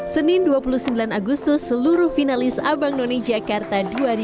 senin dua puluh sembilan agustus seluruh finalis abang none jakarta dua ribu dua puluh